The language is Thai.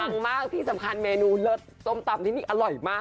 มากที่สำคัญเมนูเลิศส้มตำที่นี่อร่อยมาก